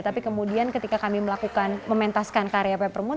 tapi kemudian ketika kami melakukan mementaskan karya peppermint